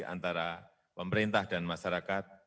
antara pemerintah dan masyarakat